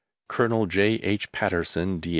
COLONEL J. H. PATTERSON, D.